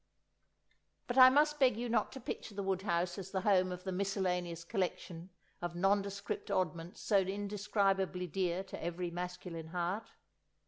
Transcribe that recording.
But I must beg you not to picture the wood house as the home of the miscellaneous collection of nondescript oddments so indescribably dear to every masculine heart.